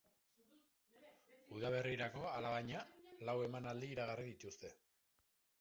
Udaberrirako, alabaina, lau emanaldi iragarri dituzte.